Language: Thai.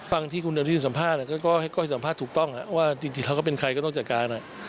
ฟังที่คุณอนุทินสัมภาษณ์ก็ให้ก้อยสัมภาษณ์ถูกต้องว่าจริงเขาก็เป็นใครก็ต้องจัดการ